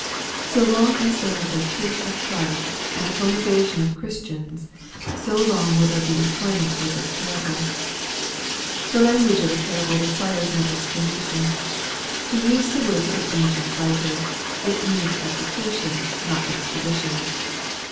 So long as there is a Church of Christ and a congregation of Chris tians, so long there will be employment for this parable. The language of the parable requires no explanation. To use the words of an ancient writer, " it needs appli cation, not exposition."